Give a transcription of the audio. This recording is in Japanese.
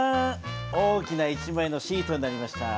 大きな一枚のシートになりました。